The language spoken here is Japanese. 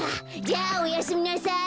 じゃあおやすみなさい。